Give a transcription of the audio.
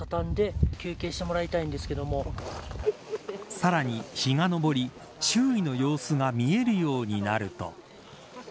さらに日が昇り周囲の様子が見えるようになると。